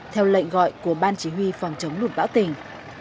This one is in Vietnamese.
theo lệnh gọi của ban chỉ huy phòng chống luật báo tỉnh